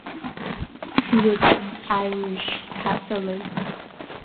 He was an Irish Catholic.